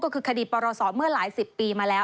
ก็คือคดีปรศเมื่อหลายสิบปีมาแล้ว